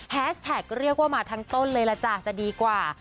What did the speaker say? แท็กเรียกว่ามาทั้งต้นเลยล่ะจ้ะจะดีกว่า